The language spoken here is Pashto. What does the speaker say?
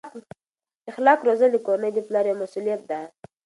اخلاق روزل د کورنۍ د پلار یوه مسؤلیت ده.